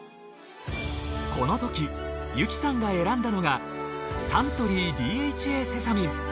このとき由紀さんが選んだのがサントリーＤＨＡセサミン。